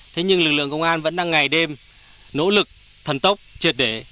thế nhưng lực lượng công an vẫn đang ngày đêm nỗ lực thần tốc triệt để